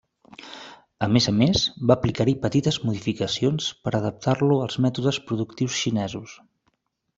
A més a més, va aplicar-hi petites modificacions per adaptar-lo als mètodes productius xinesos.